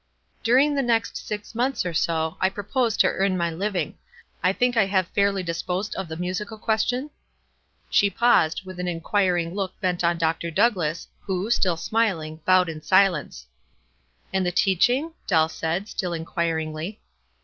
Dur ing the next six months or so, I propose to earn my living. I think I have fairly disposed of the musical question." She paused, with an inquiring look bent on Dr. Douglass, who, still smiling, bowed in si lence. "And the teaching?" Dell said, still inquir ingly.